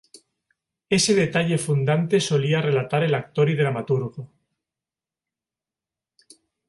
Ese detalle fundante solía relatar el actor y dramaturgo...".